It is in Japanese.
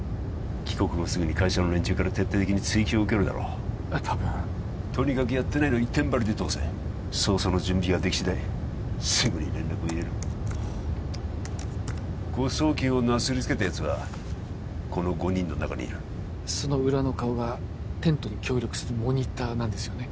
帰国後すぐに会社の連中から徹底的に追及を受けるだろう多分とにかくやってないの一点張りで通せ捜査の準備ができしだいすぐに連絡を入れる誤送金をなすりつけたやつはこの５人の中にいるその裏の顔がテントに協力するモニターなんですよね？